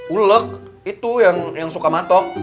uleg itu yang suka matok